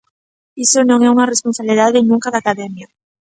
Iso non é unha responsabilidade nunca da Academia.